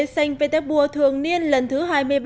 xanh peterbua thường niên lần thứ hai mươi ba